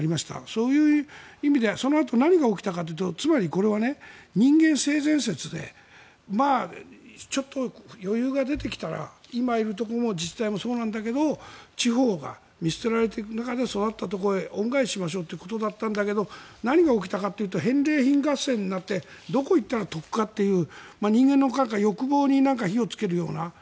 そういう意味ではそのあと何が起きたかというとつまりこれは人間性善説でちょっと余裕が出てきたら今いるところの自治体もそうなんだけど地方が見捨てられている中で育ったところへ恩返ししましょうということだったんだけど何が起きたかというと返礼品合戦になってどこに行ったら得かという人間の欲望に火をつけるような。